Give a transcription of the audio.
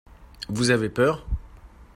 Vous avez peur ?